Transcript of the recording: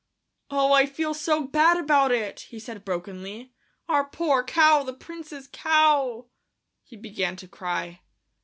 "Oh, I feel so bad about it," he said brokenly; "our poor cow, the Prince's cow!" He began to cry.